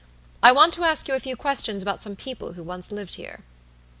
"I want to ask you a few questions about some people who once lived here."